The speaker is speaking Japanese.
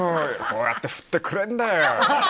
こうやって振ってくれるんだよ。